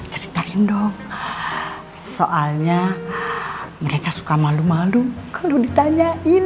ceritain dok soalnya mereka suka malu malu kalau ditanyain